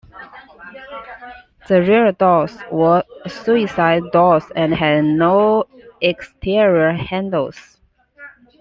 The rear doors were suicide doors and had no exterior handles.